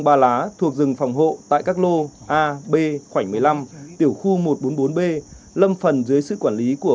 ba lá thuộc rừng phòng hộ tại các lô a b khoảnh một mươi năm tiểu khu một trăm bốn mươi bốn b lâm phần dưới sự quản lý của